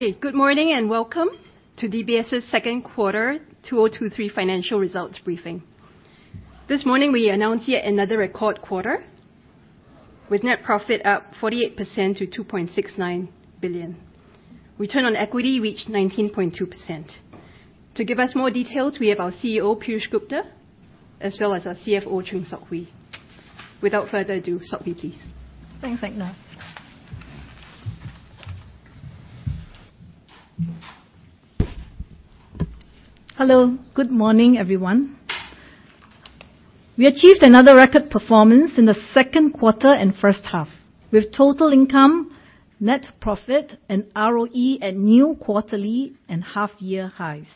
Okay, good morning. Welcome to DBS's Second Quarter 2023 Financial Results Briefing. This morning, we announced yet another record quarter, with net profit up 48% to 2.69 billion. Return on equity reached 19.2%. To give us more details, we have our CEO, Piyush Gupta, as well as our CFO, Chng Sok Hui. Without further ado, Sok Hui, please. Thanks, Edna. Hello, good morning, everyone. We achieved another record performance in the second quarter and first half, with total income, net profit and ROE at new quarterly and half year highs.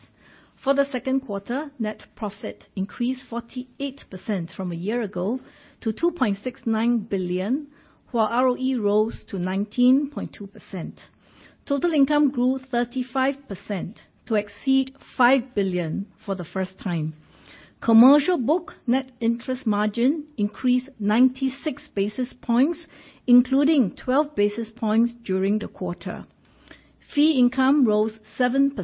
For the second quarter, net profit increased 48% from a year ago to 2.69 billion, while ROE rose to 19.2%. Total income grew 35% to exceed 5 billion for the first time. Commercial book net interest margin increased 96 basis points, including 12 basis points during the quarter. Fee income rose 7%,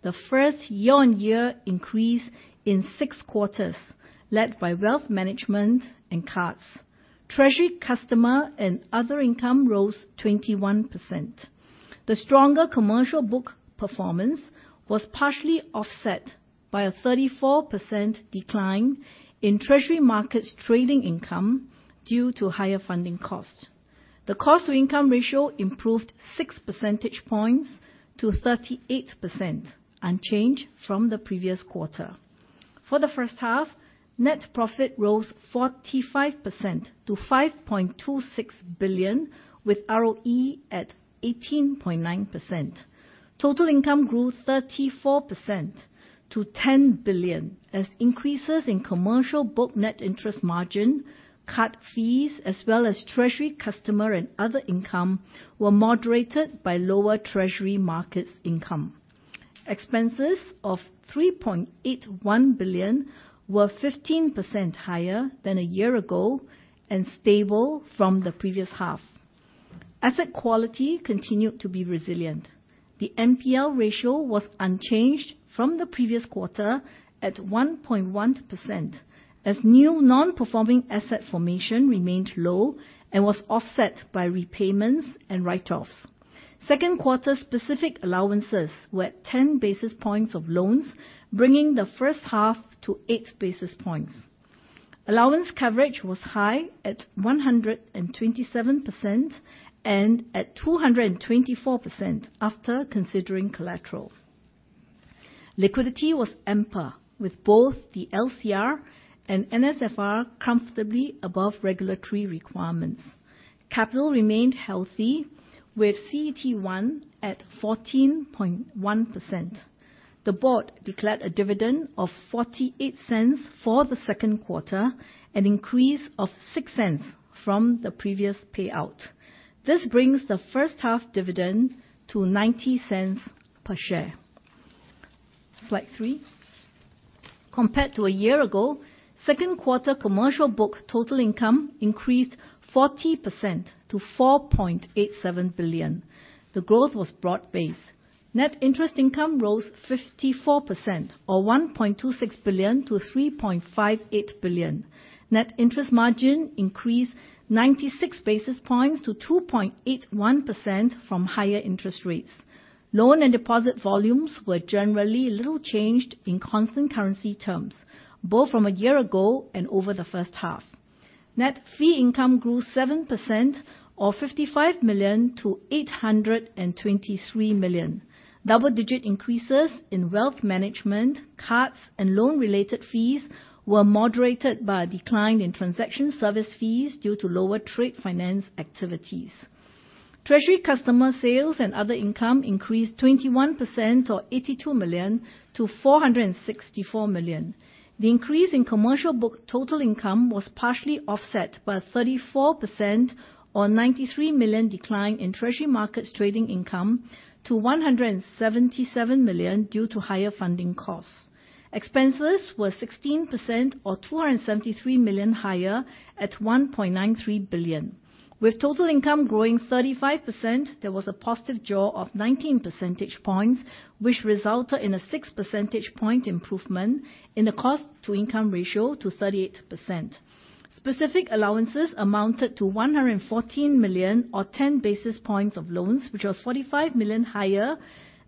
the first year-on-year increase in 6 quarters, led by Wealth management and cards. Treasury, customer and other income rose 21%. The stronger commercial book performance was partially offset by a 34% decline in Treasury Markets trading income due to higher funding costs. The cost-to-income ratio improved 6 percentage points to 38%, unchanged from the previous quarter. For the first half, net profit rose 45% to 5.26 billion, with ROE at 18.9%. Total income grew 34% to SGD 10 billion, as increases in commercial book net interest margin, card fees, as well as treasury, customer and other income, were moderated by lower treasury markets income. Expenses of 3.81 billion were 15% higher than a year ago and stable from the previous half. Asset quality continued to be resilient. The NPL ratio was unchanged from the previous quarter at 1.1%, as new non-performing asset formation remained low and was offset by repayments and write-offs. Second quarter specific allowances were at 10 basis points of loans, bringing the first half to 8 basis points. Allowance coverage was high at 127% and at 224% after considering collateral. Liquidity was ample, with both the LCR and NSFR comfortably above regulatory requirements. Capital remained healthy, with CET1 at 14.1%. The Board declared a dividend of 0.48 for the second quarter, an increase of 0.06 from the previous payout. This brings the first half dividend to 0.90 per share. Slide three. Compared to a year ago, second quarter commercial book total income increased 40% to SGD 4.87 billion. The growth was broad-based. Net interest income rose 54% or 1.26 billion-3.58 billion. Net interest margin increased 96 basis points to 2.81% from higher interest rates. Loan and deposit volumes were generally little changed in constant-currency terms, both from a year ago and over the first half. Net fee income grew 7% or 55 million to 823 million. Double-digit increases in Wealth management, cards, and loan-related fees were moderated by a decline in transaction service fees due to lower trade finance activities. Treasury customer sales and other income increased 21% or 82 million to 464 million. The increase in commercial book total income was partially offset by a 34% or 93 million decline in Treasury Markets trading income to 177 million due to higher funding costs. Expenses were 16% or 273 million higher at 1.93 billion. With total income growing 35%, there was a positive jaw of 19 percentage points, which resulted in a 6 percentage point improvement in the cost-to-Income ratio to 38%. Specific allowances amounted to 114 million or 10 basis points of loans, which was 45 million higher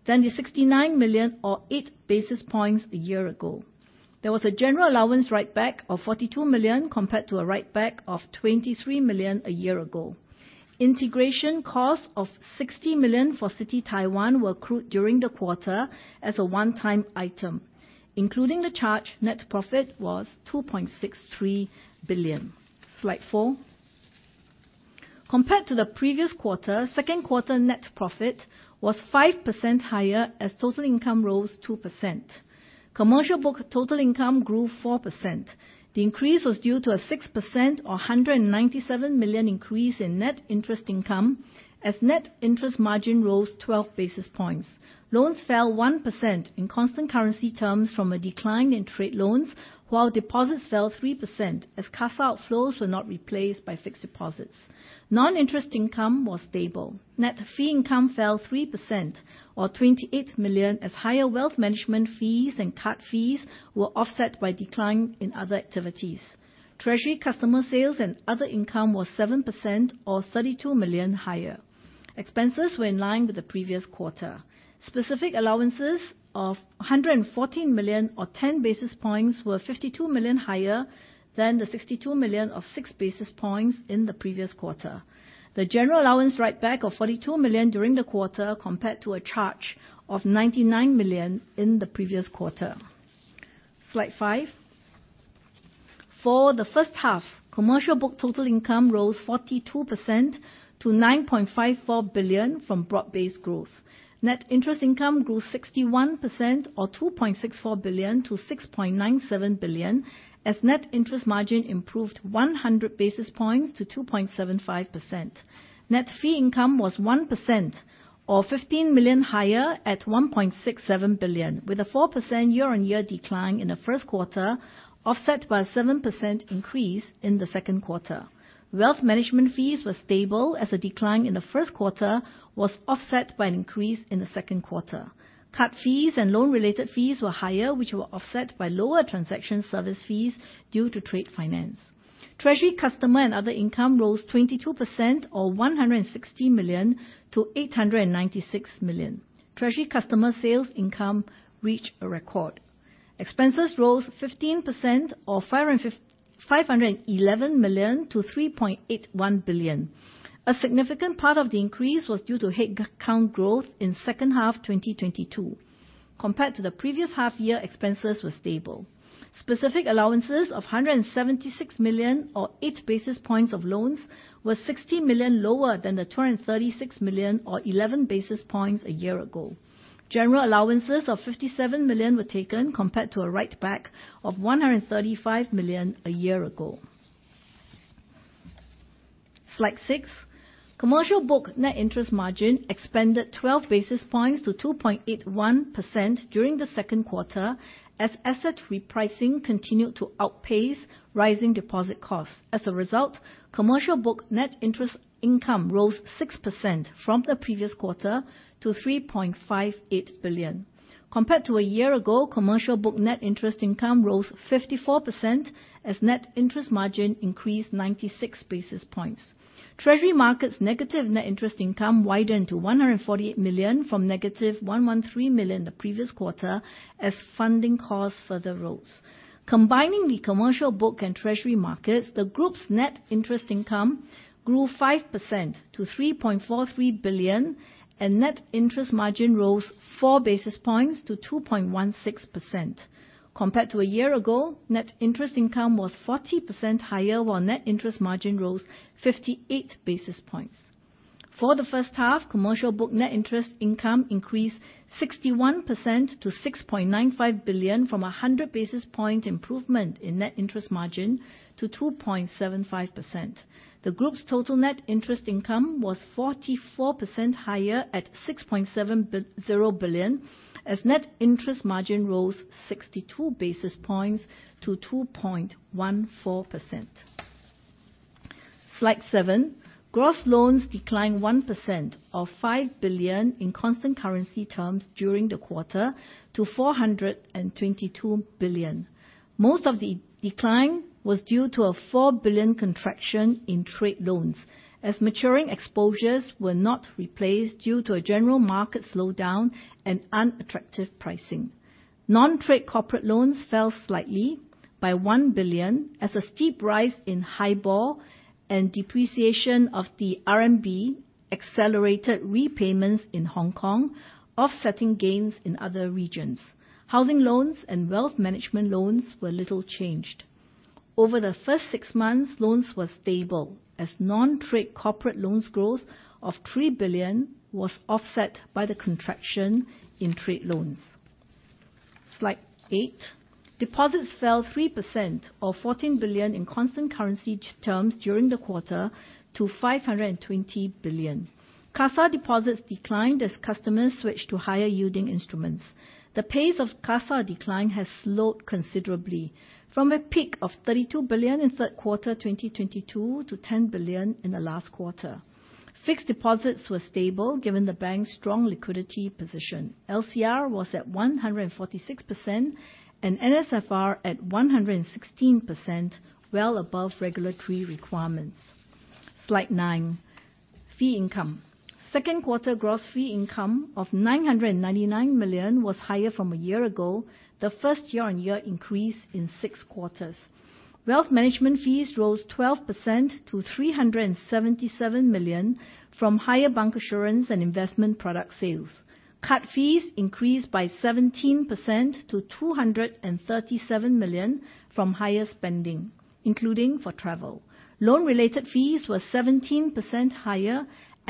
than the 69 million or 8 basis points a year ago. There was a general allowance write-back of 42 million, compared to a write-back of 23 million a year ago. Integration costs of 60 million for Citi Taiwan were accrued during the quarter as a one-time item. Including the charge, net profit was 2.63 billion. Slide four. Compared to the previous quarter, second quarter net profit was 5% higher as total income rose 2%. Commercial book total income grew 4%. The increase was due to a 6% or 197 million increase in Net interest income as Net interest margin rose 12 basis points. Loans fell 1% in constant-currency terms from a decline in trade loans, while deposits fell 3% as cash outflows were not replaced by fixed deposits. Non-interest income was stable. Net fee income fell 3% or 28 million, as higher Wealth management fees and card fees were offset by decline in other activities. Treasury customer sales and other income was 7% or 32 million higher. Expenses were in line with the previous quarter. Specific allowances of 114 million or 10 basis points were 52 million higher than the 62 million or 6 basis points in the previous quarter. The general allowance write-back of 42 million during the quarter, compared to a charge of 99 million in the previous quarter. Slide five. For the first half, commercial book total income rose 42% to 9.54 billion from broad-based growth. Net interest income grew 61% or 2.64 billion-6.97 billion, as net interest margin improved 100 basis points to 2.75%. Net fee income was 1% or 15 million higher at 1.67 billion, with a 4% year-on-year decline in the first quarter, offset by a 7% increase in the second quarter. Wealth management fees were stable, as a decline in the first quarter was offset by an increase in the second quarter. Card fees and loan-related fees were higher, which were offset by lower transaction service fees due to trade finance. Treasury customer and other income rose 22% or 160 million to 896 million. Treasury customer sales income reached a record. Expenses rose 15% or 511 million to 3.81 billion. A significant part of the increase was due to headcount growth in second half of 2022. Compared to the previous half year, expenses were stable. Specific allowances of 176 million or 8 basis points of loans were 60 million lower than the 236 million or 11 basis points a year ago. General allowances of 57 million were taken, compared to a write-back of 135 million a year ago. Slide six. Commercial book net interest margin expanded 12 basis points to 2.81% during the second quarter, as asset repricing continued to outpace rising deposit costs. As a result, commercial book net interest income rose 6% from the previous quarter to 3.58 billion. Compared to a year ago, commercial book net interest income rose 54% as net interest margin increased 96 basis points. Treasury Markets negative net interest income widened to 148 million from-SGD 113 million the previous quarter as funding costs further rose. Combining the commercial book and Treasury Markets, the group's net interest income grew 5% to 3.43 billion, and net interest margin rose 4 basis points to 2.16%. Compared to a year ago, net interest income was 40% higher, while net interest margin rose 58 basis points. For the first half, commercial book net interest income increased 61% to 6.95 billion from a 100 basis point improvement in net interest margin to 2.75%. The group's total net interest income was 44% higher at 6.70 billion, as net interest margin rose 62 basis points to 2.14%. Slide seven. Gross loans declined 1% or 5 billion in constant-currency terms during the quarter to 422 billion. Most of the decline was due to a 4 billion contraction in trade loans, as maturing exposures were not replaced due to a general market slowdown and unattractive pricing. Non-trade corporate loans fell slightly by SGD 1 billion, as a steep rise in HIBOR and depreciation of the RMB accelerated repayments in Hong Kong, offsetting gains in other regions. Housing loans and Wealth management loans were little changed. Over the first six months, loans were stable as non-trade corporate loans growth of SGD 3 billion was offset by the contraction in trade loans. Slide eight. Deposits fell 3% or 14 billion in constant currency terms during the quarter to 520 billion. CASA deposits declined as customers switched to higher-yielding instruments. The pace of CASA decline has slowed considerably from a peak of 32 billion in third quarter 2022 to 10 billion in the last quarter. Fixed deposits were stable, given the bank's strong liquidity position. LCR was at 146% and NSFR at 116%, well above regulatory requirements. Slide nine, fee income. second quarter gross fee income of 999 million was higher from a year ago, the first year-on-year increase in six quarters. Wealth management fees rose 12% to 377 million from higher bank assurance and investment product sales. Card fees increased by 17% to 237 million from higher spending, including for travel. Loan-related fees were 17% higher at 133 million. Offsetting fees was a 5% decline in transaction service fees to SGD 221 million, due to lower trade finance activities. Investment banking was stable at SGD 31 million. For the first half, gross fee income was also higher than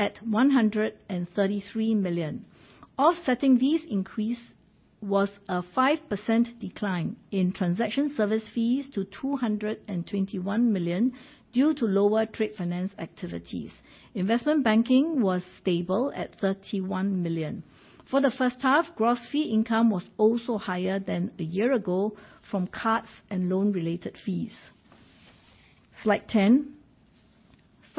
a year ago from cards and loan-related fees. Slide 10.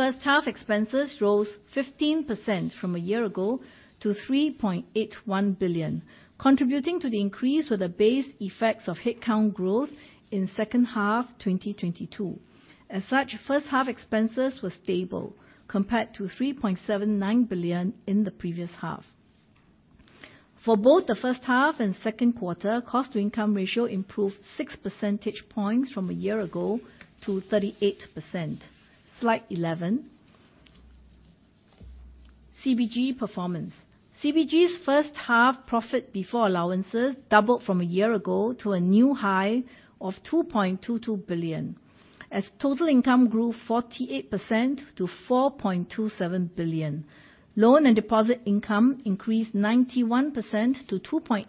First half expenses rose 15% from a year ago to 3.81 billion, contributing to the increase with the base effects of headcount growth in second half 2022. As such, first half expenses were stable compared to SGD 3.79 billion in the previous half. For both the first half and second quarter, cost-income ratio improved 6 percentage points from a year ago to 38%. Slide 11: CBG performance. CBG's first half profit before allowances doubled from a year ago to a new high of 2.22 billion, as total income grew 48% to 4.27 billion. Loan and deposit income increased 91% to 2.86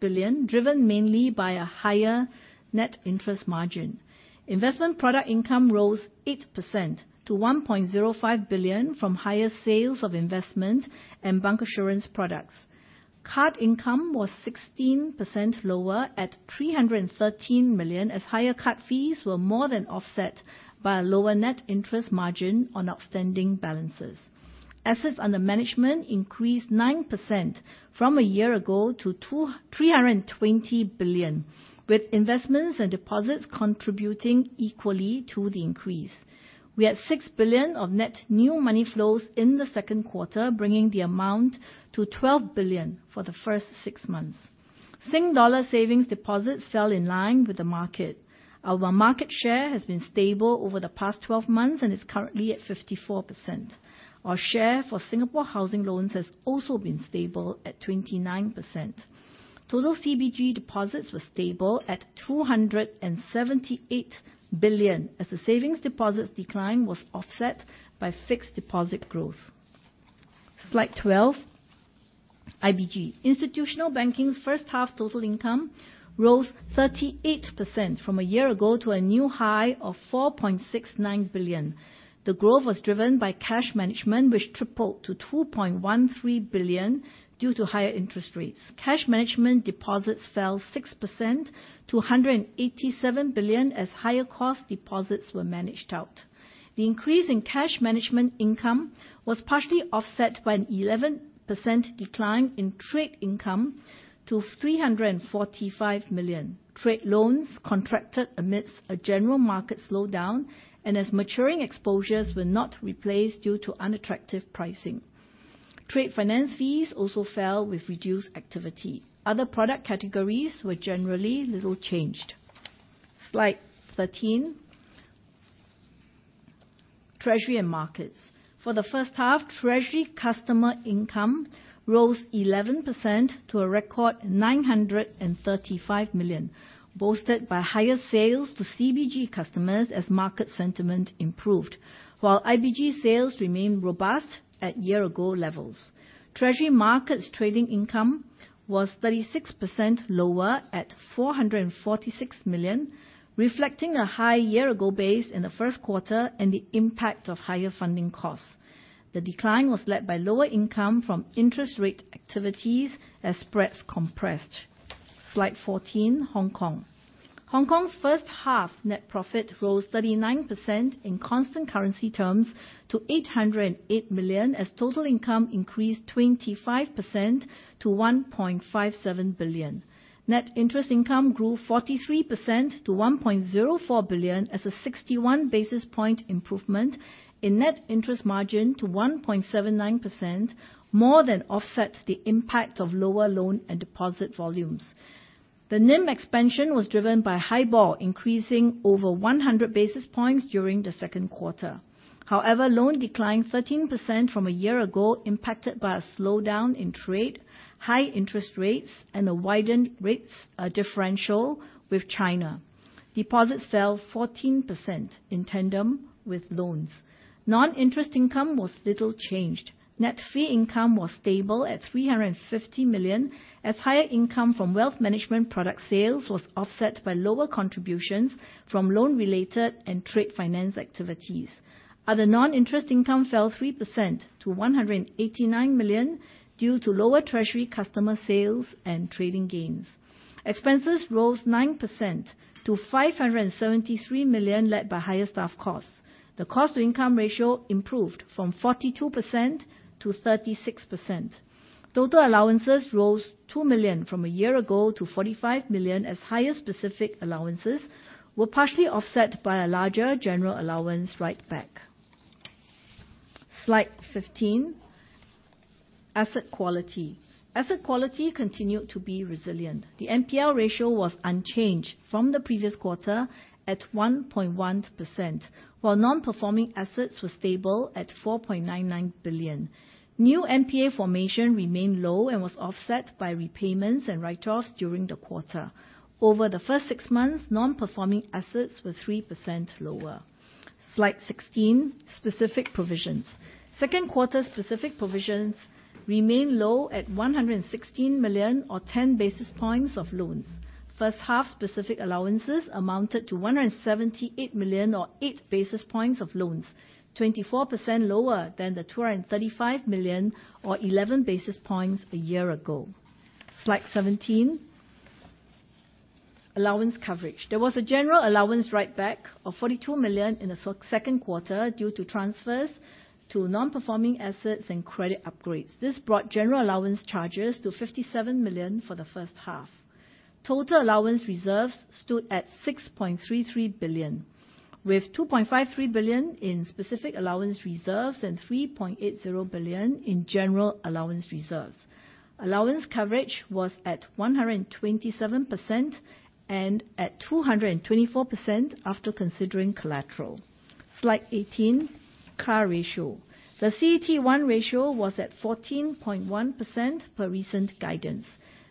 billion, driven mainly by a higher net interest margin. Investment product income rose 8% to 1.05 billion from higher sales of investment and bank insurance products. Card income was 16% lower at 313 million, as higher card fees were more than offset by a lower net interest margin on outstanding balances. Assets under management increased 9% from a year ago to SGD 320 billion, with investments and deposits contributing equally to the increase. We had 6 billion of net new money flows in the second quarter, bringing the amount to 12 billion for the first six months. Sing Dollar savings deposits fell in line with the market. Our market share has been stable over the past 12 months and is currently at 54%. Our share for Singapore housing loans has also been stable at 29%. Total CBG deposits were stable at 278 billion, as the savings deposits decline was offset by fixed deposit growth. Slide 12, IBG. Institutional banking's first half total income rose 38% from a year ago to a new high of SGD 4.69 billion. The growth was driven by cash management, which tripled to SGD 2.13 billion due to higher interest rates. Cash management deposits fell 6% to SGD 187 billion, as higher cost deposits were managed out. The increase in cash management income was partially offset by an 11% decline in trade income to SGD 345 million. As maturing exposures were not replaced due to unattractive pricing, trade loans contracted amidst a general market slowdown. Trade finance fees also fell with reduced activity. Other product categories were generally little changed. Slide 13, Treasury and Markets. For the first half, Treasury customer income rose 11% to a record $935 million, boasted by higher sales to CBG customers as market sentiment improved, while IBG sales remained robust at year-ago levels. Treasury Markets trading income was 36% lower at $446 million, reflecting a high year-ago base in the first quarter and the impact of higher funding costs. The decline was led by lower income from interest rate activities as spreads compressed. Slide 14, Hong Kong. Hong Kong's first half net profit rose 39% in constant-currency terms to $808 million, as total income increased 25% to $1.57 billion. Net interest income grew 43% to 1.04 billion, as a 61 basis point improvement in net interest margin to 1.79% more than offsets the impact of lower loan and deposit volumes. The NIM expansion was driven by HIBOR, increasing over 100 basis points during the second quarter. However, loan declined 13% from a year ago, impacted by a slowdown in trade, high interest rates, and a widened rates differential with China. deposits fell 14% in tandem with loans. Non-interest income was little changed. Net fee income was stable at 350 million, as higher income from Wealth management product sales was offset by lower contributions from loan-related and trade finance activities. Other Non-interest income fell 3% to 189 million due to lower Treasury customer sales and trading gains. Expenses rose 9% to 573 million, led by higher staff costs. The cost-income ratio improved from 42%-36%. Total allowances rose 2 million from a year ago to 45 million, as higher specific allowances were partially offset by a larger general allowance write-back. Slide 15, asset Quality. Asset quality continued to be resilient. The NPL ratio was unchanged from the previous quarter at 1.1%, while non-performing assets were stable at 4.99 billion. New NPA formation remained low and was offset by repayments and write-offs during the quarter. Over the first six months, non-performing assets were 3% lower. Slide 16, specific provisions. Second quarter specific provisions remain low at 116 million or 10 basis points of loans. First half specific allowances amounted to $178 million or 8 basis points of loans, 24% lower than the $235 million or 11 basis points a year ago. Slide 17, allowance coverage. There was a general allowance write-back of $42 million in the second quarter due to transfers to non-performing assets and credit upgrades. This brought general allowance charges to $57 million for the first half. Total allowance reserves stood at $6.33 billion, with $2.53 billion in specific allowance reserves and $3.80 billion in general allowance reserves. Allowance coverage was at 127%, and at 224% after considering collateral. Slide 18, CAR ratio. The CET1 ratio was at 14.1% per recent guidance.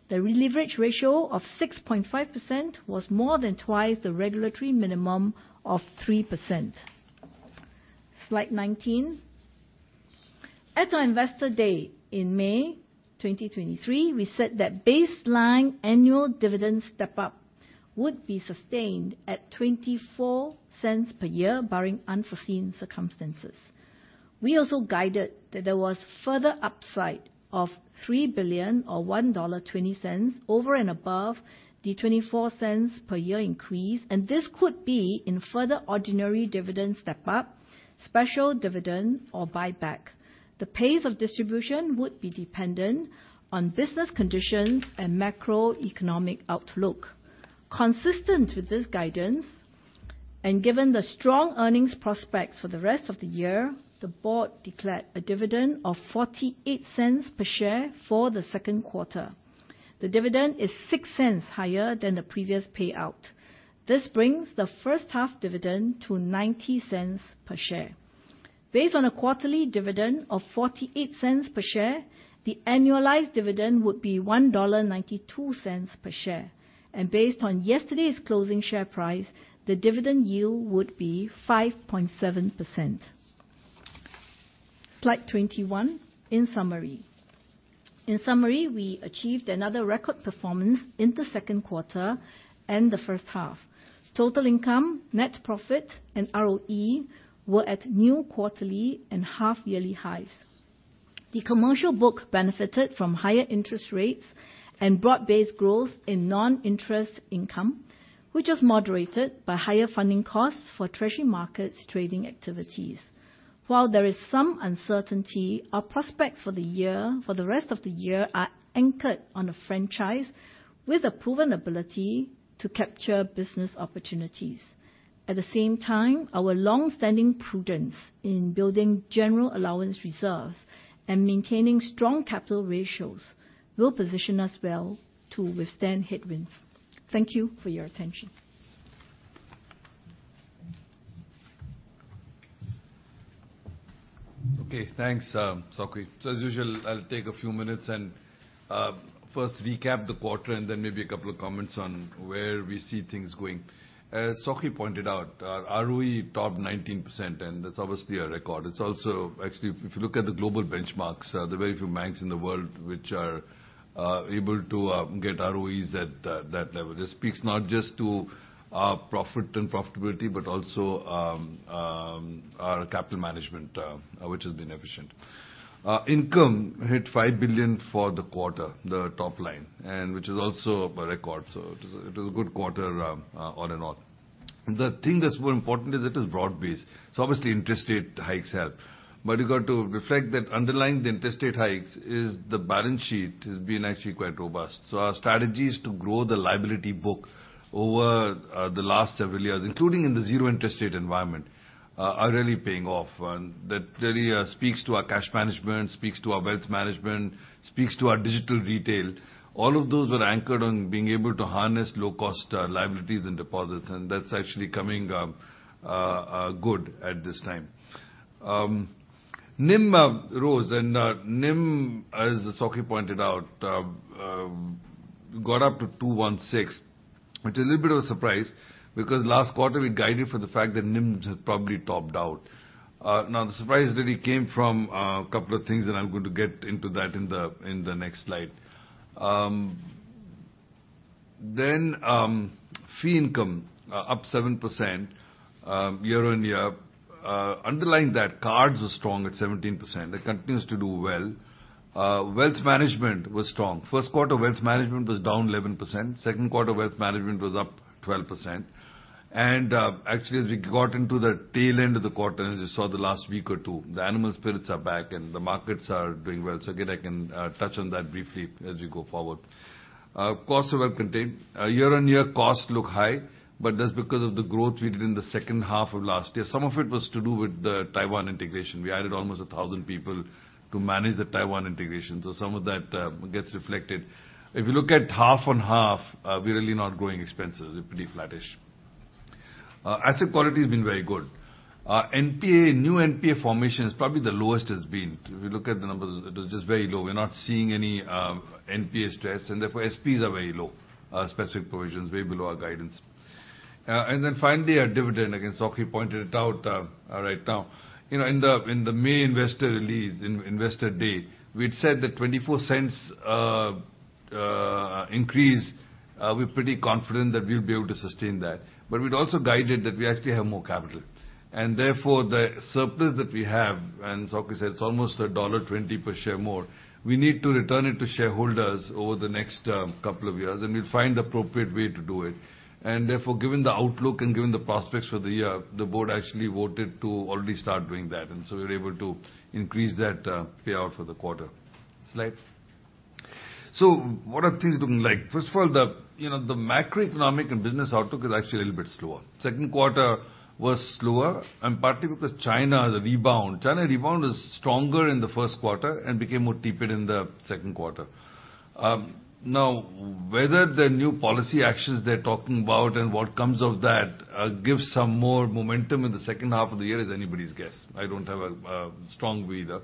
The leverage ratio of 6.5% was more than twice the regulatory minimum of 3%. Slide 19. At our Investor Day in May 2023, we said that baseline annual dividend step up would be sustained at 0.24 per year, barring unforeseen circumstances. We also guided that there was further upside of 3 billion or 1.20 dollar over and above the 0.24 per year increase, and this could be in further ordinary dividend step up, special dividend or buyback. The pace of distribution would be dependent on business conditions and macroeconomic outlook. Consistent with this guidance, and given the strong earnings prospects for the rest of the year, the Board declared a dividend of 0.48 per share for the second quarter. The dividend is 0.06 higher than the previous payout. This brings the first half dividend to 0.90 per share. Based on a quarterly dividend of $0.48 per share, the annualized dividend would be $1.92 per share. Based on yesterday's closing share price, the dividend yield would be 5.7%. Slide 21, in summary. In summary, we achieved another record performance in the second quarter and the first half. Total income, net profit and ROE were at new quarterly and half yearly highs. The commercial book benefited from higher interest rates and broad-based growth in non-interest income, which is moderated by higher funding costs for Treasury Markets trading activities. While there is some uncertainty, our prospects for the rest of the year, are anchored on a franchise with a proven ability to capture business opportunities. At the same time, our long-standing prudence in building general allowance reserves and maintaining strong Capital ratios will position us well to withstand headwinds. Thank you for your attention. Okay, thanks, Sok Hui. As usual, I'll take a few minutes and first recap the quarter, and then maybe a couple of comments on where we see things going. As Sok Hui pointed out, our ROE topped 19%, and that's obviously a record. It's also actually, if you look at the global benchmarks, there are very few banks in the world which are able to get ROEs at that, that level. This speaks not just to our profit and profitability, but also our capital management, which has been efficient. Income hit 5 billion for the quarter, the top line, and which is also a record, so it is a, it is a good quarter, all in all. The thing that's more important is it is broad-based. Obviously, interest rate hikes help, but you've got to reflect that underlying the interest rate hikes is the balance sheet has been actually quite robust. Our strategies to grow the liability book over the last several years, including in the zero interest rate environment, are really paying off. That really speaks to our cash management, speaks to our Wealth management, speaks to our digital retail. All of those were anchored on being able to harness low-cost liabilities and deposits, and that's actually coming good at this time. NIM rose, and NIM, as Sok Hui pointed out, got up to 2.16%, which is a little bit of a surprise, because last quarter, we guided for the fact that NIMs had probably topped out. Now, the surprise really came from a couple of things, and I'm going to get into that in the, in the next slide. Fee income, up 7%, year-on-year. Underlying that, cards were strong at 17%. That continues to do well. Wealth management was strong. First quarter, Wealth management was down 11%. Second quarter, Wealth management was up 12%. Actually, as we got into the tail end of the quarter, and as you saw the last week or two, the animal spirits are back, and the markets are doing well. Costs are well contained. Year-on-year costs look high, but that's because of the growth we did in the second half of 2022. Some of it was to do with the Taiwan integration. We added almost 1,000 people to manage the Taiwan integration, so some of that gets reflected. If you look at half-on-half, we're really not growing expenses. We're pretty flattish. Asset quality has been very good. Our NPA, new NPA formation is probably the lowest it's been. If you look at the numbers, it is just very low. We're not seeing any NPA stress, and therefore, SPs are very low, specific provisions, way below our guidance. Finally, our dividend, Sok Hui pointed it out right now. You know, in the main investor release, in Investor Day, we'd said that 0.24 increase, we're pretty confident that we'll be able to sustain that. We'd also guided that we actually have more capital, and therefore, the surplus that we have, Sok Hui said it's almost dollar 1.20 per share more, we need to return it to shareholders over the next couple of years, and we'll find the appropriate way to do it. Therefore, given the outlook and given the prospects for the year, the Board actually voted to already start doing that, and so we were able to increase that payout for the quarter. Slide. What are things looking like? First of all, the, you know, the macroeconomic and business outlook is actually a little bit slower. second quarter was slower, and partly because China rebound was stronger in the first quarter and became more tapered in the second quarter. Now, whether the new policy actions they're talking about and what comes of that, gives some more momentum in the second half of the year is anybody's guess. I don't have a strong view either.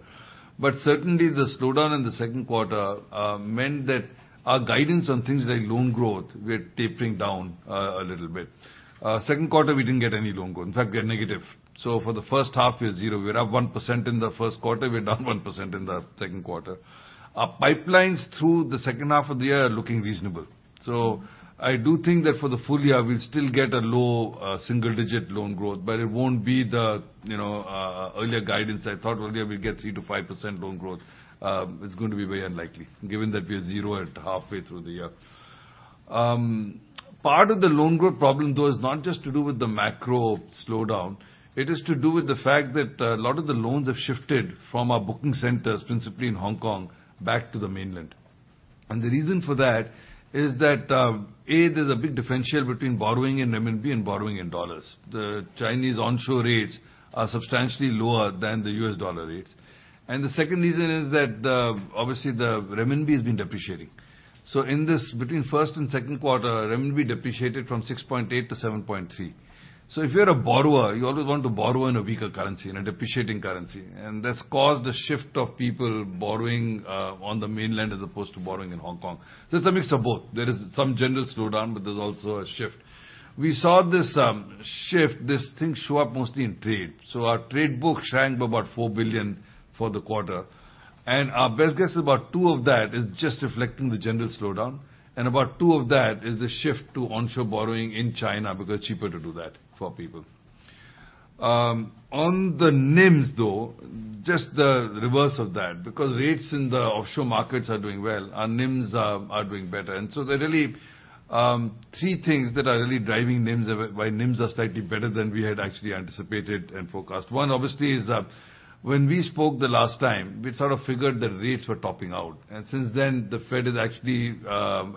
Certainly, the slowdown in the second quarter meant that our guidance on things like loan growth, we're tapering down a little bit. Second quarter, we didn't get any loan growth. In fact, we had negative. For the first half, we're 0. We're up 1% in the first quarter, we're down 1% in the second quarter. Our pipelines through the second half of the year are looking reasonable. I do think that for the full year, we'll still get a low single-digit loan growth, but it won't be the, you know, earlier guidance. I thought earlier we'd get 3%-5% loan growth. It's going to be very unlikely, given that we're 0 at halfway through the year. Part of the loan growth problem, though, is not just to do with the macro slowdown. It is to do with the fact that a lot of the loans have shifted from our booking centers, principally in Hong Kong, back to the mainland. The reason for that is that, A, there's a big differential between borrowing in renminbi and borrowing in dollars. The Chinese onshore rates are substantially lower than the U.S. dollar rates. The second reason is that the, obviously, the renminbi has been depreciating. In this, between first and second quarter, renminbi depreciated from 6.8-7.3. If you're a borrower, you always want to borrow in a weaker currency, in a depreciating currency, and that's caused a shift of people borrowing on the mainland, as opposed to borrowing in Hong Kong. It's a mix of both. There is some general slowdown, but there's also a shift. We saw this shift, this thing show up mostly in trade. Our trade book shrank by about 4 billion for the quarter, and our best guess is about 2 billion of that is just reflecting the general slowdown, and about 2 billion of that is the shift to onshore borrowing in China, because it's cheaper to do that for people. On the NIMS, though, just the reverse of that, because rates in the offshore markets are doing well, our NIMS are doing better. There are really three things that are really driving NIMs, why NIMs are slightly better than we had actually anticipated and forecast. One, obviously, is, when we spoke the last time, we'd sort of figured that rates were topping out, and since then, the Fed has actually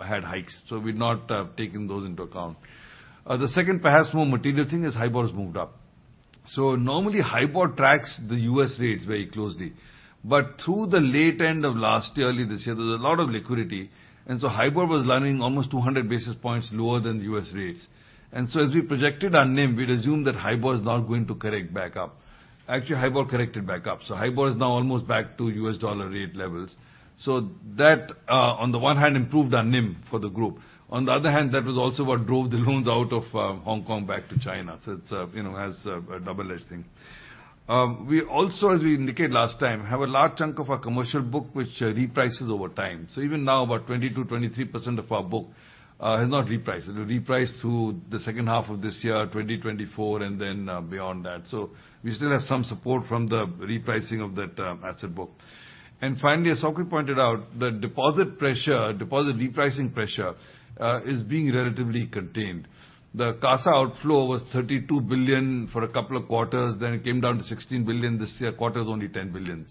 had hikes, so we've not taken those into account. The second, perhaps more material thing, is HIBOR has moved up. Normally, HIBOR tracks the U.S. rates very closely, but through the late end of last year, early this year, there was a lot of liquidity, and HIBOR was running almost 200 basis points lower than U.S. rates. As we projected our NIM, we'd assume that HIBOR is not going to correct back up. Actually, HIBOR corrected back up, HIBOR is now almost back to U.S. dollar rate levels. That, on the one hand, improved our NIM for the group. On the other hand, that was also what drove the loans out of Hong Kong back to China. It's, you know, has a, a double-edged thing. We also, as we indicated last time, have a large chunk of our commercial book, which reprices over time. Even now, about 20%-23% of our book has not repriced. It'll reprice through the second half of this year, 2024, and then, beyond that. We still have some support from the repricing of that asset book. Finally, Sok Hui pointed out, the deposit pressure, deposit repricing pressure, is being relatively contained. The CASA outflow was 32 billion for a couple of quarters, then it came down to 16 billion. This year, quarter is only 10 billion.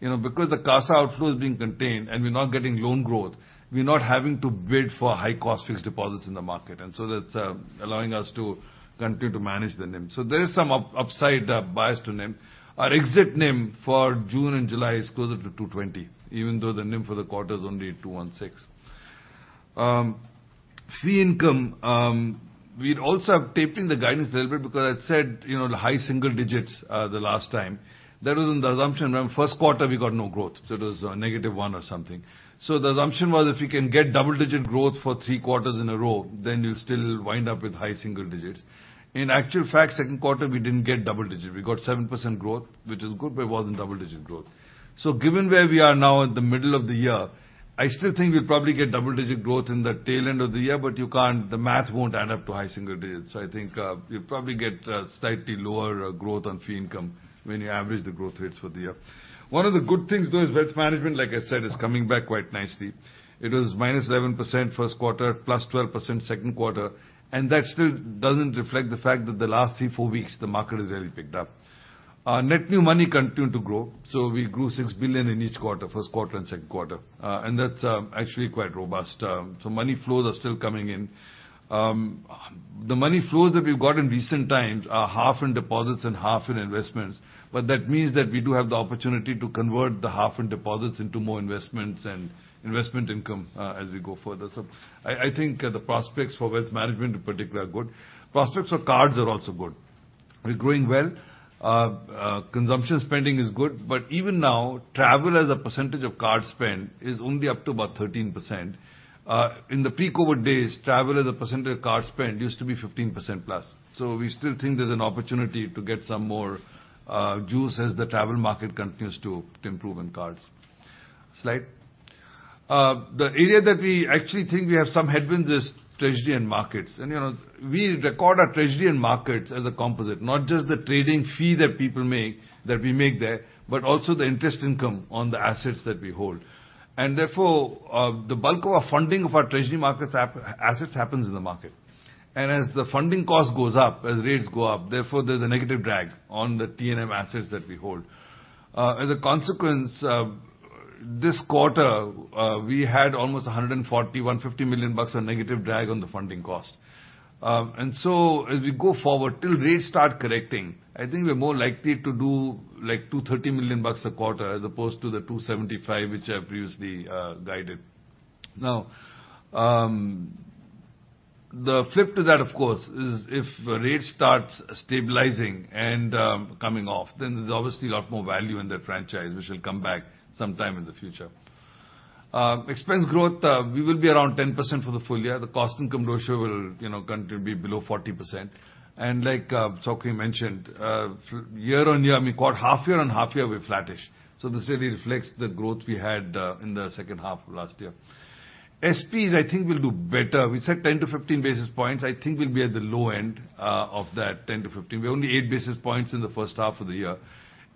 You know, because the CASA outflows is being contained and we're not getting loan growth, we're not having to bid for high-cost fixed deposits in the market, and that's allowing us to continue to manage the NIM. There is some upside bias to NIM. Our exit NIM for June and July is closer to 2.20%, even though the NIM for the quarter is only 2.16%. Fee income, we'd also have tapering the guidance a little bit because I said, you know, the high single digits the last time. That was in the assumption, remember, first quarter we got no growth, so it was -1% or something. The assumption was, if you can get double-digit growth for three quarters in a row, then you'll still wind up with high single digits. In actual fact, second quarter, we didn't get double digits. We got 7% growth, which is good, but it wasn't double-digit growth. Given where we are now in the middle of the year, I still think we'll probably get double-digit growth in the tail end of the year, but you can't... The math won't add up to high single digits. I think, you'll probably get a slightly lower, growth on fee income when you average the growth rates for the year. One of the good things, though, is Wealth management, like I said, is coming back quite nicely. It was -11% first quarter, +12% second quarter. That still doesn't reflect the fact that the last three, four weeks, the market has really picked up. Our net new money continued to grow. We grew 6 billion in each quarter, first quarter and second quarter, and that's actually quite robust. Money flows are still coming in. The money flows that we've got in recent times are half in deposits and half in investments, that means that we do have the opportunity to convert the half in deposits into more investments and investment income as we go further. I think the prospects for Wealth management in particular are good. Prospects for cards are also good. We're growing well. Consumption spending is good, even now, travel as a percentage of card spend is only up to about 13%. In the pre-COVID days, travel as a percentage of card spend used to be 15%+. We still think there's an opportunity to get some more juice as the travel market continues to improve in cards. Slide. The area that we actually think we have some headwinds is Treasury Markets. You know, we record our Treasury Markets as a composite, not just the trading fee that people make, that we make there, but also the interest income on the assets that we hold. Therefore, the bulk of our funding of our Treasury Markets assets happens in the market. As the funding cost goes up, as rates go up, therefore, there's a negative drag on the TNM assets that we hold. As a consequence, this quarter, we had almost 150 million bucks of negative drag on the funding cost. So as we go forward, till rates start correcting, I think we're more likely to do, like, 230 million bucks a quarter, as opposed to the 275 million, which I previously guided. The flip to that, of course, is if rates starts stabilizing and coming off, then there's obviously a lot more value in that franchise, which will come back sometime in the future. Expense growth, we will be around 10% for the full year. The cost-income ratio will, you know, continue to be below 40%. Like, Sok Hui mentioned, year-on-year, I mean, quarter, half-year on half-year, we're flattish. This really reflects the growth we had in the second half of last year. SPs, I think will do better. We said 10-15 basis points. I think we'll be at the low end of that 10-15. We're only 8 basis points in the first half of the year,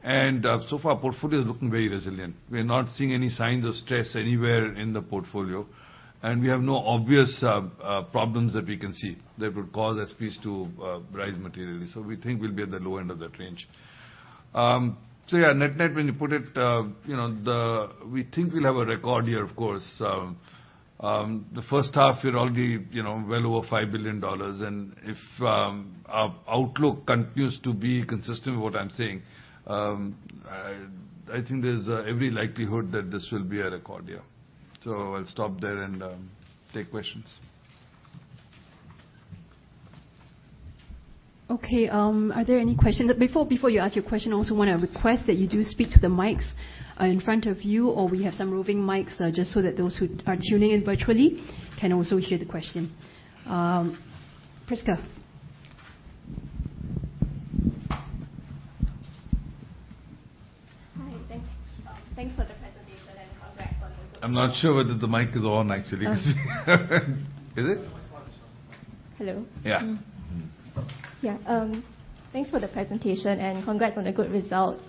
and so far, our portfolio is looking very resilient. We're not seeing any signs of stress anywhere in the portfolio, and we have no obvious problems that we can see that would cause SPs to rise materially. We think we'll be at the low end of that range. Yeah, net-net, when you put it, you know, we think we'll have a record year, of course. The first half, we're already, you know, well over $5 billion. If our outlook continues to be consistent with what I'm saying, I, I think there's every likelihood that this will be a record year. I'll stop there and take questions. Okay, are there any questions? Before, before you ask your question, I also want to request that you do speak to the mics in front of you, or we have some roving mics, just so that those who are tuning in virtually can also hear the question. Prisca? Hi, thanks. Thanks for the presentation and congrats on the. I'm not sure whether the mic is on, actually. Is it? Hello? Yeah. Yeah, thanks for the presentation, and congrats on the good results.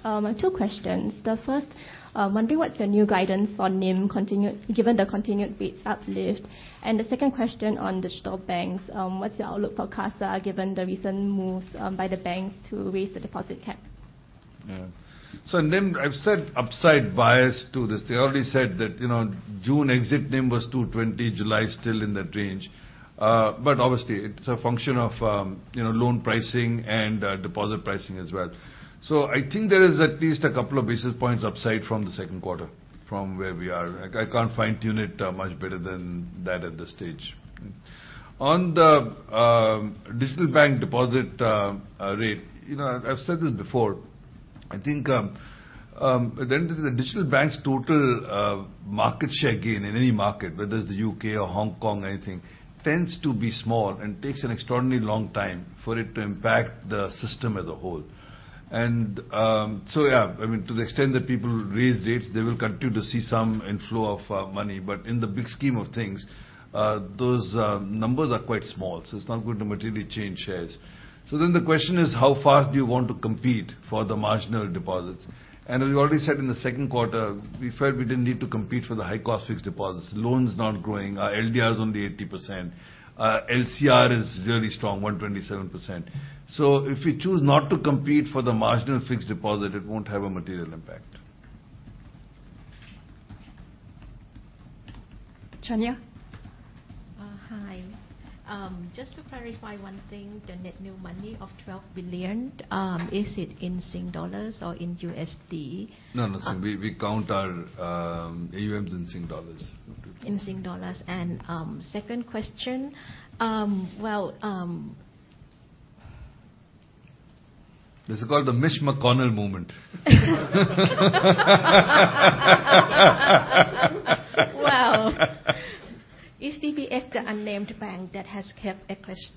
Two questions. The first, wondering what's your new guidance for NIM continued, given the continued rate uplift? The second question on digital banks, what's your outlook for CASA, given the recent moves, by the banks to raise the deposit cap? Yeah. NIM, I've said upside bias to this. They already said that, you know, June exit NIM was 2.20%, July still in that range. Obviously, it's a function of, you know, loan pricing and, deposit pricing as well. I think there is at least 2 basis points upside from the second quarter from where we are. Like, I can't fine-tune it much better than that at this stage. On the, digital bank deposit, rate, you know, I've said this before, I think, the, the digital banks' total, market share gain in any market, whether it's the U.K. or Hong Kong, anything, tends to be small and takes an extraordinarily long time for it to impact the system as a whole. Yeah, I mean, to the extent that people raise rates, they will continue to see some inflow of money. In the big scheme of things, those numbers are quite small, so it's not going to materially change shares. The question is: How fast do you want to compete for the marginal deposits? As we already said in the second quarter, we felt we didn't need to compete for the high-cost fixed deposits. Loans not growing, our LDR is only 80%. LCR is really strong, 127%. If we choose not to compete for the marginal fixed deposit, it won't have a material impact. Chania? Hi. Just to clarify one thing, the net new money of 12 billion, is it in SGD or in USD? No, no, we count our AUMs in Sing dollars. In Sing dollars. Second question, well, This is called the Mitch McConnell moment. Well, is DBS the unnamed bank that has kept [Equis']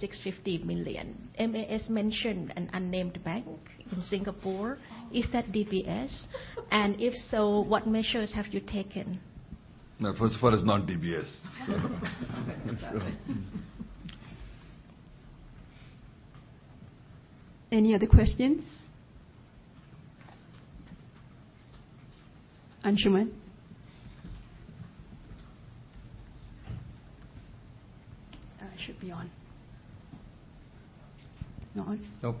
650 million? MAS mentioned an unnamed bank in Singapore. Is that DBS? If so, what measures have you taken? No, as far as not DBS. Any other questions? Anshuman? That should be on. Not on? Nope.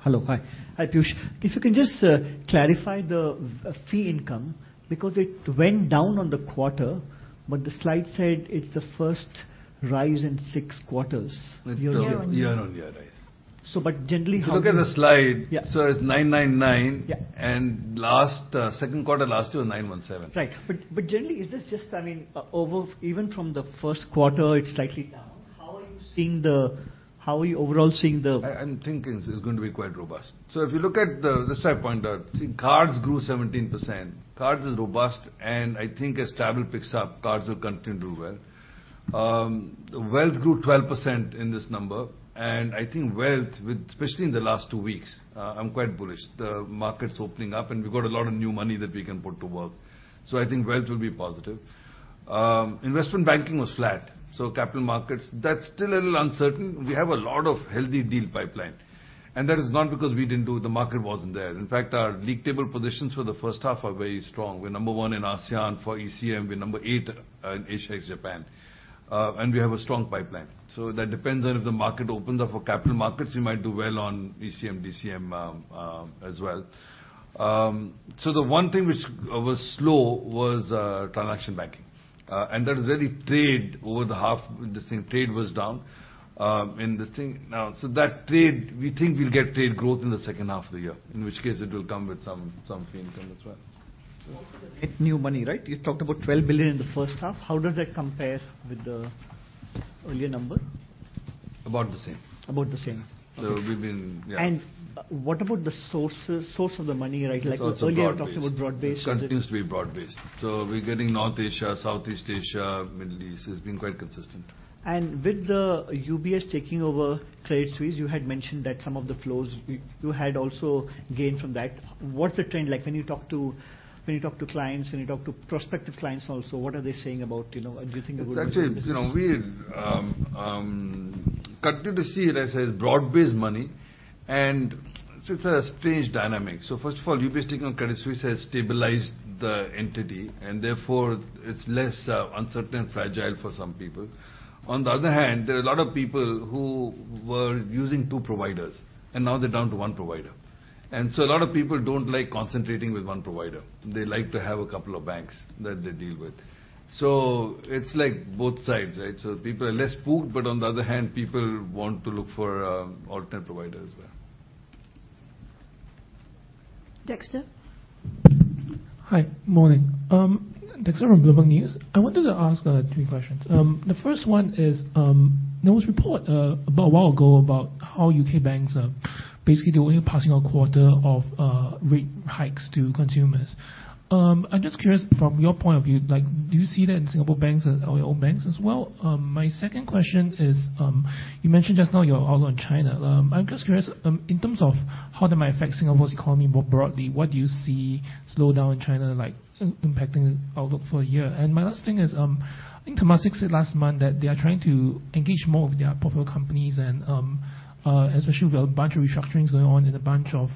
Hello. Hi. Hi, Piyush. If you can just clarify the fee income, because it went down on the quarter, but the slide said it's the first rise in six quarters, year-on-year? Year-on-year rise. ... generally- If you look at the slide. Yeah. it's 999 million. Yeah. Last, second quarter last year was 917 million. Right. generally, is this just, I mean, even from the first quarter, it's slightly down? How are you overall seeing the? I, I'm thinking it's going to be quite robust. This I point out, see, cards grew 17%. Cards is robust, and I think as travel picks up, cards will continue to do well. wealth grew 12% in this number, and I think wealth, with especially in the last two weeks, I'm quite bullish. The market's opening up, and we've got a lot of new money that we can put to work, so I think wealth will be positive. investment banking was flat, so capital markets, that's still a little uncertain. We have a lot of healthy deal pipeline, and that is not because we didn't do... The market wasn't there. In fact, our league table positions for the first half are very strong. We're number one in ASEAN for ECM. We're number eight in Asia, ex-Japan, and we have a strong pipeline. That depends on if the market opens up for capital markets, we might do well on ECM, DCM as well. The one thing which was slow was transaction banking, and that is really trade over the half. This thing, trade was down. That trade, we think we'll get trade growth in the second half of the year, in which case it will come with some, some fee income as well. The net new money, right? You talked about 12 billion in the first half. How does that compare with the earlier number? About the same. About the same. We've been. Yeah. What about the sources, source of the money, right? Source is broad-based. Like earlier, you talked about broad-based. Continues to be broad-based. We're getting North Asia, Southeast Asia, Middle East. It's been quite consistent. With the UBS taking over Credit Suisse, you had mentioned that some of the flows, you, you had also gained from that. What's the trend like when you talk to, when you talk to clients, when you talk to prospective clients also? What are they saying about, you know, do you think it? That's actually, you know, we're continue to see it as a broad-based money. It's a strange dynamic. First of all, UBS taking on Credit Suisse has stabilized the entity, and therefore it's less uncertain and fragile for some people. On the other hand, there are a lot of people who were using two providers, and now they're down to one provider. A lot of people don't like concentrating with one provider. They like to have a couple of banks that they deal with. It's like both sides, right? People are less spooked, but on the other hand, people want to look for alternate providers as well. Dexter? Hi. Morning. Dexter from Bloomberg News. I wanted to ask three questions. The first one is, there was a report about a while ago about how U.K. banks are basically doing a passing on quarter of rate hikes to consumers. I'm just curious from your point of view, like, do you see that in Singapore banks or your own banks as well? My second question is, you mentioned just now your outlook on China. I'm just curious, in terms of how that might affect Singapore's economy more broadly, what do you see slowdown in China like impacting the outlook for a year? My last thing is, I think Temasek said last month that they are trying to engage more of their portfolio companies and, especially with a bunch of restructurings going on in a bunch of,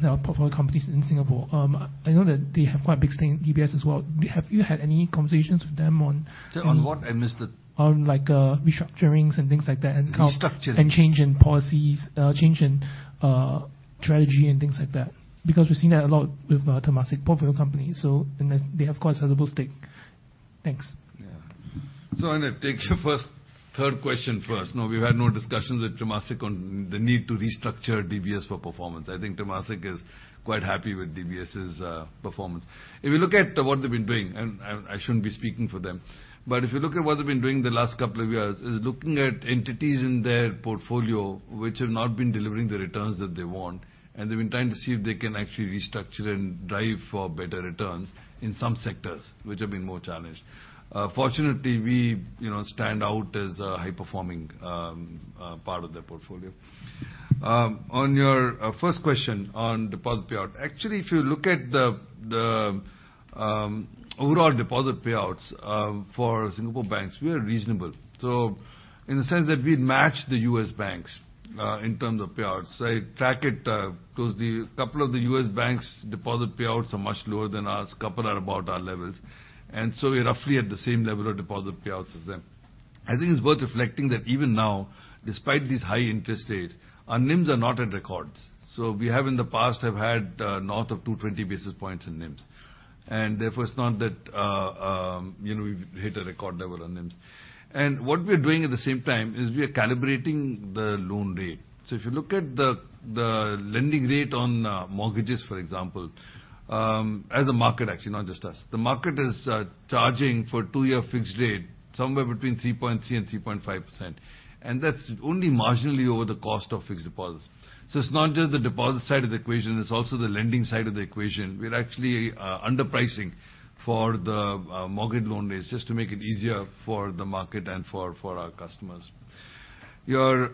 their portfolio companies in Singapore. I know that they have quite a big stake in DBS as well. Have you had any conversations with them on-? On what, I missed it? On, like, restructurings and things like that. Restructuring. Change in policies, change in strategy and things like that. We've seen that a lot with Temasek portfolio companies, so, and they, of course, have a stake. Thanks. Yeah. I'm going to take your first, third question first. No, we've had no discussions with Temasek on the need to restructure DBS for performance. I think Temasek is quite happy with DBS's performance. If you look at what they've been doing, and I, I shouldn't be speaking for them, but if you look at what they've been doing the last couple of years, is looking at entities in their portfolio which have not been delivering the returns that they want, and they've been trying to see if they can actually restructure and drive for better returns in some sectors which have been more challenged. Fortunately, we, you know, stand out as a high-performing part of their portfolio. On your first question on deposit payout, actually, if you look at the, the overall deposit payouts for Singapore banks, we are reasonable. In the sense that we match the US banks in terms of payouts. I track it because the couple of the U.S. banks' deposit payouts are much lower than ours. Couple are about our levels. We're roughly at the same level of deposit payouts as them. I think it's worth reflecting that even now, despite these high interest rates, our NIMs are not at records. We have in the past have had north of 220 basis points in NIMs, and therefore, it's not that, you know, we've hit a record level on NIMs. What we're doing at the same time is we are calibrating the loan rate. If you look at the, the lending rate on mortgages, for example, as a market, actually, not just us, the market is charging for two-year fixed rate somewhere between 3.3% and 3.5%, and that's only marginally over the cost of fixed deposits. It's not just the deposit side of the equation, it's also the lending side of the equation. We're actually underpricing for the mortgage loan rates just to make it easier for the market and for, for our customers. Your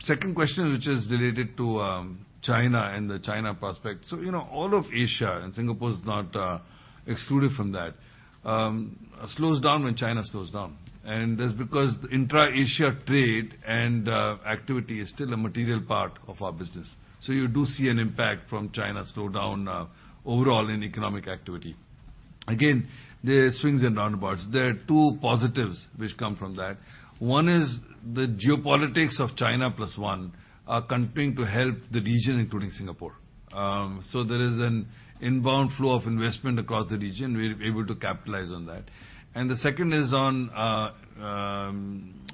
second question, which is related to China and the China prospect. You know, all of Asia, and Singapore's not excluded from that, slows down when China slows down, and that's because intra-Asia trade and activity is still a material part of our business. You do see an impact from China's slowdown, overall in economic activity. Again, there are swings and roundabouts. There are two positives which come from that. One is the geopolitics of China+1, are continuing to help the region, including Singapore. There is an inbound flow of investment across the region. We're able to capitalize on that. The second is on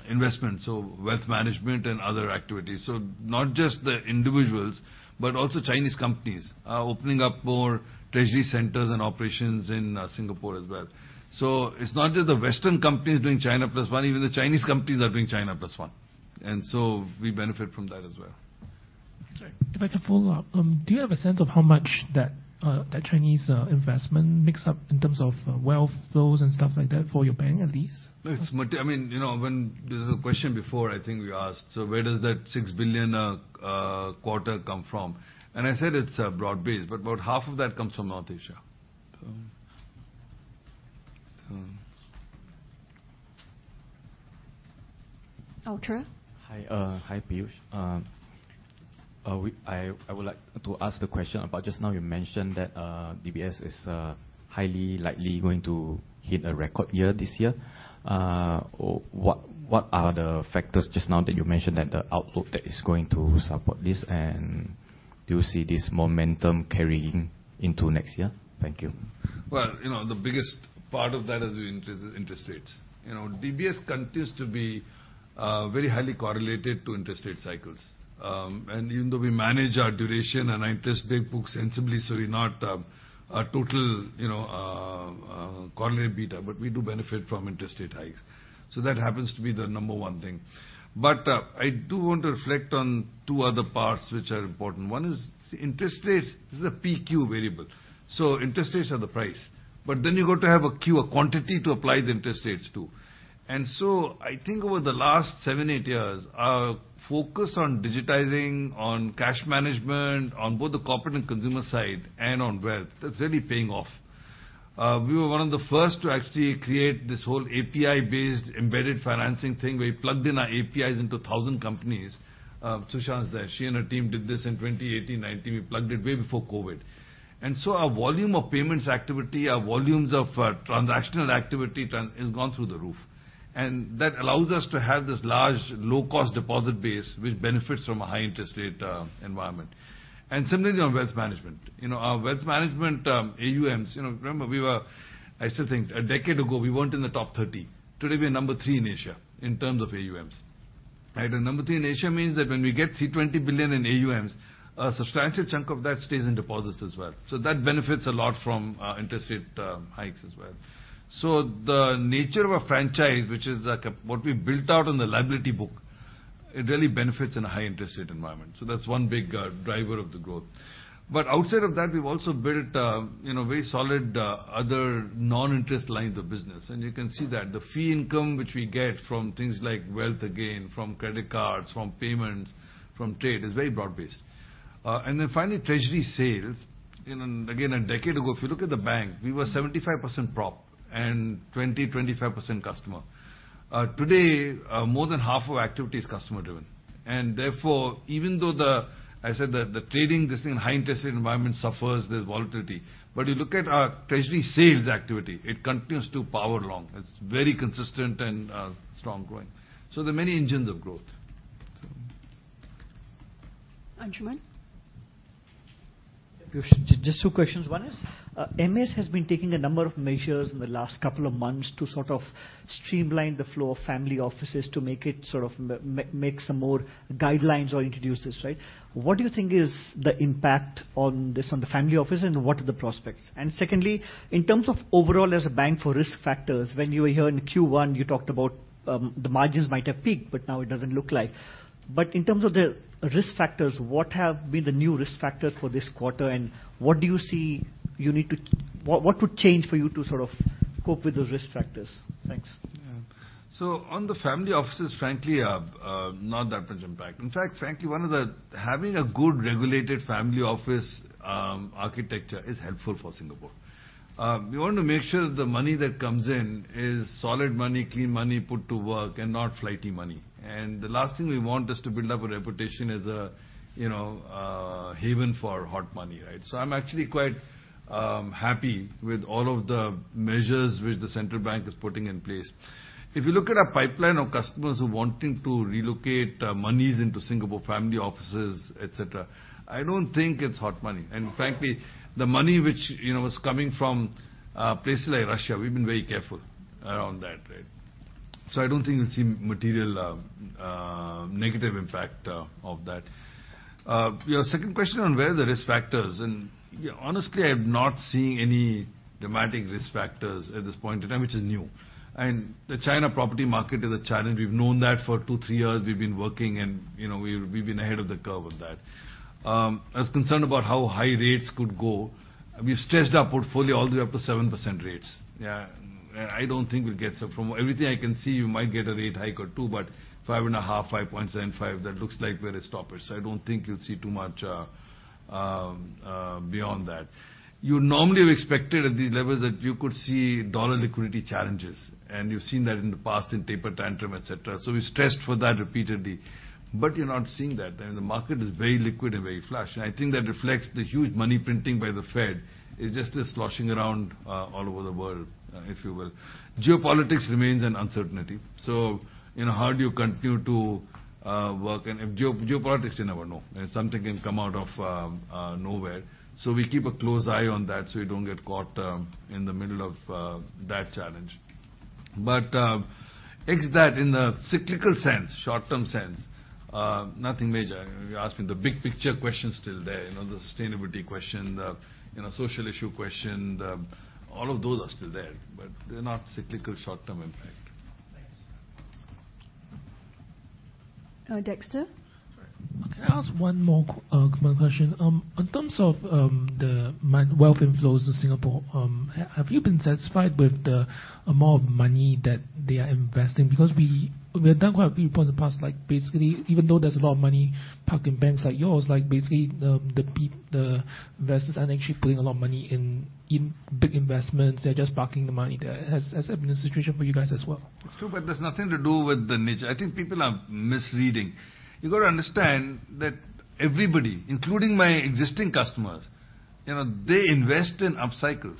investment, so Wealth management and other activities. Not just the individuals, but also Chinese companies are opening up more treasury centers and operations in Singapore as well. It's not just the Western companies doing China+1, even the Chinese companies are doing China+1, we benefit from that as well. Okay. If I could follow up, do you have a sense of how much that, that Chinese investment makes up in terms of wealth flows and stuff like that for your bank, at least? Yes, I mean, you know, when there's a question before, I think we asked, "So where does that 6 billion quarter come from?" I said it's broad-based, but about half of that comes from North Asia. [Ultra?] Hi, hi, Piyush. I would like to ask the question about just now you mentioned that DBS is highly likely going to hit a record year this year. What, what are the factors just now that you mentioned that the output that is going to support this? Do you see this momentum carrying into next year? Thank you. Well, you know, the biggest part of that is the interest rates. You know, DBS continues to be very highly correlated to interest rate cycles. Even though we manage our duration and interest rate book sensibly, so we're not, a total, you know, correlated beta, but we do benefit from interest rate hikes. That happens to be the number one thing. I do want to reflect on two other parts which are important. One is interest rates is a PQ variable, so interest rates are the price. Then you got to have a Q, a quantity to apply the interest rates to. I think over the last seven, eight years, our focus on digitizing, on cash management, on both the corporate and consumer side and on wealth, that's really paying off. We were one of the first to actually create this whole API-based embedded financing thing, where we plugged in our APIs into 1,000 companies. [Su Shan] she and her team did this in 2018, 2019. We plugged it way before COVID. Our volume of payments activity, our volumes of transactional activity turn has gone through the roof. That allows us to have this large, low-cost deposit base, which benefits from a high interest rate environment. Same thing on Wealth management. You know, our Wealth management AUMs, you know, remember, we were... I still think a decade ago, we weren't in the top 30. Today, we're number three in Asia in terms of AUMs, right? Number three in Asia means that when we get 320 billion in AUMs, a substantial chunk of that stays in deposits as well. That benefits a lot from interest rate hikes as well. The nature of our franchise, which is what we built out on the liability book, it really benefits in a high interest rate environment. That's one big driver of the growth. Outside of that, we've also built a, you know, very solid other non-interest lines of business. You can see that the fee income, which we get from things like wealth, again, from credit cards, from payments, from trade, is very broad-based. Then finally, treasury sales. You know, again, a decade ago, if you look at the bank, we were 75% prop and 20%, 25% customer. Today, more than half of our activity is customer driven. Therefore, even though the... I said that the trading, this thing, high interest rate environment suffers, there's volatility. You look at our treasury sales activity, it continues to power along. It's very consistent and strong growing. There are many engines of growth. Anshuman? Piyush, just two questions. One is, MAS has been taking a number of measures in the last couple of months to sort of streamline the flow of family offices to make it sort of make some more guidelines or introduce this, right? What do you think is the impact on this, on the family office, and what are the prospects? Secondly, in terms of overall as a bank for risk factors, when you were here in first quarter, you talked about, the margins might have peaked, but now it doesn't look like. In terms of the risk factors, what have been the new risk factors for this quarter, and what would change for you to sort of cope with those risk factors? Thanks. Yeah. On the family offices, frankly, not that much impact. In fact, frankly, having a good regulated family office architecture is helpful for Singapore. We want to make sure the money that comes in is solid money, clean money, put to work and not flighty money. The last thing we want is to build up a reputation as a, you know, haven for hot money, right? I'm actually quite happy with all of the measures which the central bank is putting in place. If you look at our pipeline of customers who are wanting to relocate monies into Singapore, family offices, et cetera, I don't think it's hot money. Frankly, the money which you know, is coming from places like Russia, we've been very careful around that, right? I don't think you'll see material negative impact of that. Your second question on where are the risk factors, yeah, honestly, I'm not seeing any dramatic risk factors at this point in time, which is new. The China property market is a challenge. We've known that for two to three years. We've been working and, you know, we've, we've been ahead of the curve on that. As concerned about how high rates could go, we've stressed our portfolio all the way up to 7% rates. Yeah, I don't think we'll get... From everything I can see, you might get a rate hike or 2%, but 5.5%, 5.75%, that looks like we're a stopper. I don't think you'll see too much beyond that. You normally have expected at these levels that you could see dollar liquidity challenges, and you've seen that in the past in Taper Tantrum, et cetera. We stressed for that repeatedly, but you're not seeing that. The market is very liquid and very flush, and I think that reflects the huge money printing by the Fed. It's just sloshing around all over the world, if you will. Geopolitics remains an uncertainty, so, you know, how do you continue to work? If geopolitics, you never know, and something can come out of nowhere. We keep a close eye on that, so we don't get caught in the middle of that challenge.... Exit that in the cyclical sense, short-term sense, nothing major. You're asking the big picture question's still there, you know, the sustainability question, the, you know, social issue question, all of those are still there, but they're not cyclical short-term impact. Thanks. Dexter? Can I ask one more question? In terms of wealth inflows in Singapore, have you been satisfied with the amount of money that they are investing? Because we, we have done quite a few points in the past, like, basically, even though there's a lot of money parked in banks like yours, like, basically, the investors aren't actually putting a lot of money in, in big investments. They're just parking the money there. Has, has that been the situation for you guys as well? It's true, but that's nothing to do with the nature. I think people are misleading. You've got to understand that everybody, including my existing customers, you know, they invest in upcycles.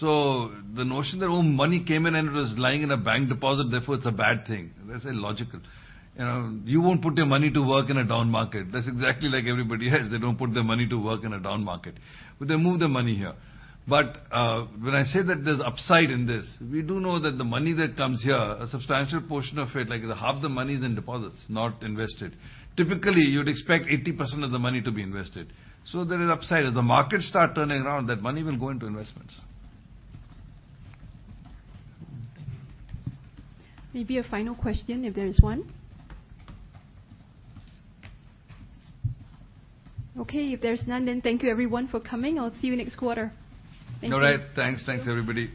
The notion that, oh, money came in, and it was lying in a bank deposit, therefore, it's a bad thing. That's illogical. You know, you won't put your money to work in a down market. That's exactly like everybody else. They don't put their money to work in a down market, but they move their money here. When I say that there's upside in this, we do know that the money that comes here, a substantial portion of it, like half the money is in deposits, not invested. Typically, you'd expect 80% of the money to be invested, so there is upside. If the markets start turning around, that money will go into investments. Maybe a final question, if there is one. Okay, if there's none, then thank you, everyone, for coming. I'll see you next quarter. Thank you. All right. Thanks. Thanks, everybody.